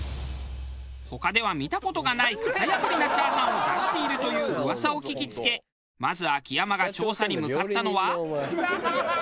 他では見た事がない型破りなチャーハンを出しているという噂を聞きつけまず秋山が調査に向かったのは。